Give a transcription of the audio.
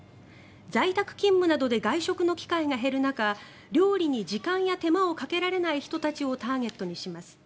在宅勤務などで外食の機会が減る中料理に時間や手間をかけられない人たちをターゲットにします。